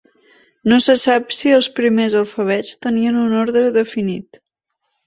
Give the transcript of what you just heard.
No se sap si els primers alfabets tenien un ordre definit.